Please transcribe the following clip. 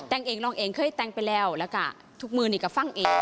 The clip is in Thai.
แต่งเองร้องเองเคยแต่งไปแล้วแล้วก็ทุกมือนี่ก็ฟังเอง